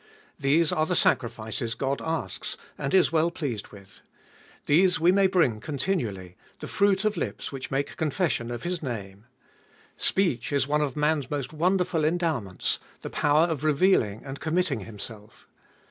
These are the sacrifices God asks and is well pleased with. These we may bring continually — the fruit of lips which make confession of His name. Speech is one of man's most wonderful endowments ; the power of revealing and committing himself.